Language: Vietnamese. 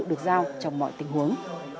được giao trong mọi tình huống